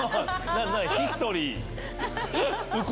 ヒストリー。